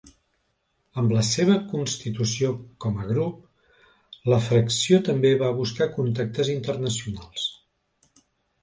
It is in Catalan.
Amb la seva constitució com a grup, la fracció també va buscar contactes internacionals.